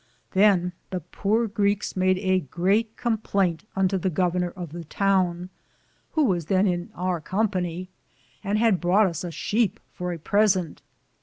Than the pore Greeks made a greate complainte unto the governor of the towne, whoe was than in our company, and had broughte us a sheepe for a presente.